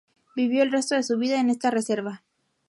Vivió el resto de su vida en esta reserva.